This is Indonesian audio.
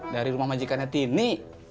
dari rumah majikan ini